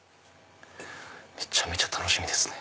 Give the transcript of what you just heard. めちゃめちゃ楽しみですね。